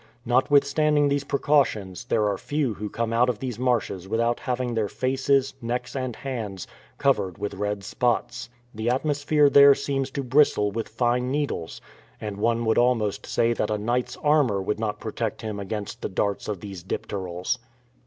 Notwithstanding these precautions, there are few who come out of these marshes without having their faces, necks, and hands covered with red spots. The atmosphere there seems to bristle with fine needles, and one would almost say that a knight's armor would not protect him against the darts of these dipterals.